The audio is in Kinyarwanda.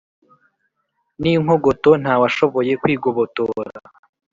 N'inkogoto ntawashoboye kwigobotora